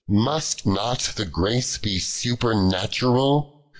Xust not the grace be supemutural.